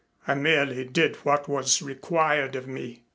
"I merely did what was required of me.